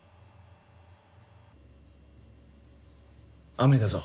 雨だぞ。